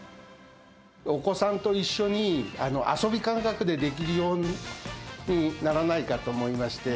お子さんと一緒に、遊び感覚でできるようにならないかと思いまして。